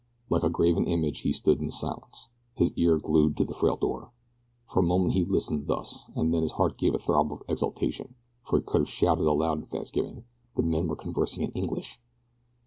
Like a graven image he stood in silence, his ear glued to the frail door. For a moment he listened thus and then his heart gave a throb of exultation, and he could have shouted aloud in thanksgiving the men were conversing in English!